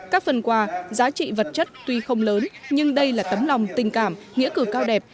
các phần quà giá trị vật chất tuy không lớn nhưng đây là tấm lòng tình cảm nghĩa cử cao đẹp